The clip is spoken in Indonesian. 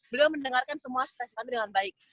beliau mendengarkan semua spesifi dengan baik